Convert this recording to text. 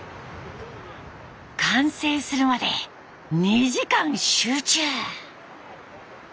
完成するまで２時間集中。